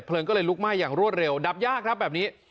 ก็เลยลุกไหม้อย่างรวดเร็วดับยากครับแบบนี้